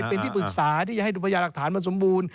เป็นที่ปรึกษาที่จะให้ดูพยาหลักฐานมันสมบูรณ์